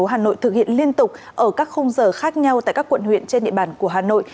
hà nội thực hiện liên tục ở các khung giờ khác nhau tại các quận huyện trên địa bàn của hà nội